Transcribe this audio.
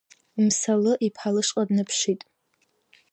Мсалы иԥҳа лышҟа днаԥшит.